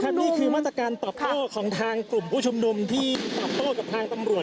ก็นี่คือมาตรการตัปเตอร์ของทางกลุ่มผู้ชมดมที่ตัปโตะกับทางตำรวจ